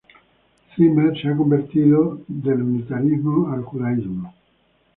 Zimmer se ha convertido del Unitarismo al Judaísmo.